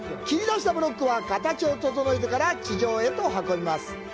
切り出したブロックは形を整えてから地上へと運びます。